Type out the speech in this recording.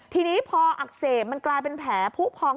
ทีนี้พออักเสบมันกลายเป็นแผลผู้พอง